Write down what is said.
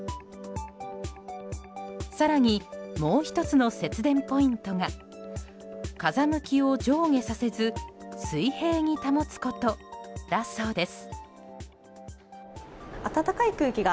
更に、もう１つの節電ポイントが風向きを上下させず水平に保つことだそうです。